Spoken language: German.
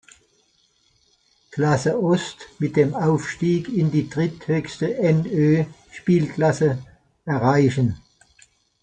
Klasse Ost mit dem Aufstieg in die dritthöchste NÖ Spielklasse erreichen.